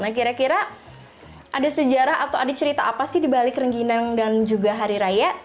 nah kira kira ada sejarah atau ada cerita apa sih di balik rengginang dan juga hari raya